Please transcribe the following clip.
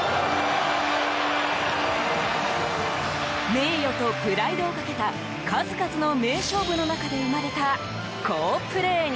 名誉とプライドをかけた数々の名勝負の中で生まれた好プレーに。